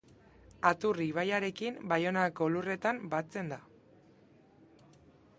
Aturri ibaiarekin, Baionako lurretan batzen da.